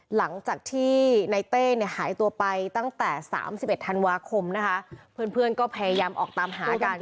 หลังจากที่ในเต้หายตัวไปตั้งแต่๓๑ธันวาคมนะคะก็พยายามกับจะออกตามหากัน